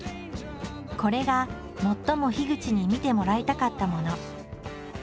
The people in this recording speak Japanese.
これが最も口に見てもらいたかったもの。